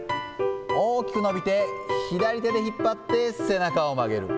大きく伸びて、左手で引っ張って、背中を曲げる。